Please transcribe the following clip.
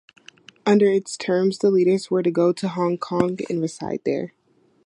Under its terms the leaders were to go to Hong Kong and reside there.